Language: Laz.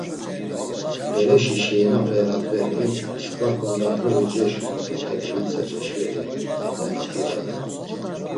Bereşi şeinape eladveri, msǩva ǩondakluği ceşu ǩenevitsa ceşveri ǩondakluğepe…